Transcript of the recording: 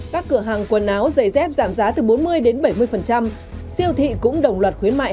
các cửa hàng quần áo giày dép giảm giá từ bốn mươi đến bảy mươi siêu thị cũng đồng loạt khuyến mại